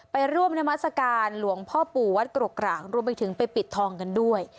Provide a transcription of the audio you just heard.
ไปร่วมนามัศกาลหลวงพ่อปู่วัดกรกกรากรวมไปถึงไปปิดทองกันด้วย